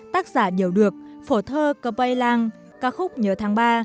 tác giả điều được phổ thơ cơ bây lang ca khúc nhớ tháng ba